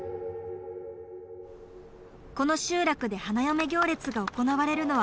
この集落で花嫁行列が行われるのは数十年ぶり。